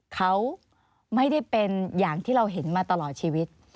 เขาไม่ได้เป็นอย่างที่เราเห็นมาตลอดชีวิต